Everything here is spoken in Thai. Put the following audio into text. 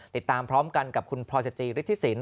ติดตามพร้อมกันกับคุณพรศจริริทธิศิลป์